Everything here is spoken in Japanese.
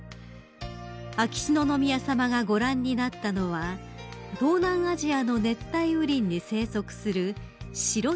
［秋篠宮さまがご覧になったのは東南アジアの熱帯雨林に生息する］